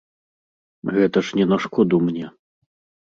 Гэта ж не на шкоду мне.